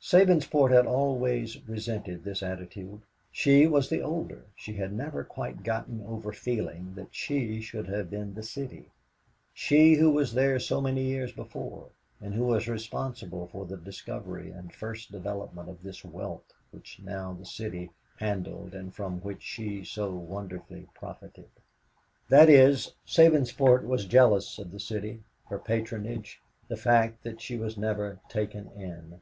Sabinsport had always resented this attitude. She was the older, she had never quite gotten over feeling that she should have been the City; she who was there so many years before, and who was responsible for the discovery and first development of this wealth which now the City handled and from which she so wonderfully profited. That is, Sabinsport was jealous of the City, her patronage, the fact that she was never taken in.